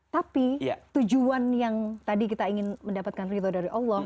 tapi tujuan yang tadi kita ingin mendapatkan ridho dari allah